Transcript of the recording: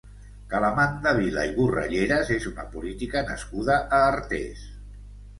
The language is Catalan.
Calamanda Vila i Borralleras és una política nascuda a Artés.